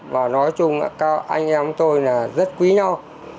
và nói chung anh em tôi là rất quý nhau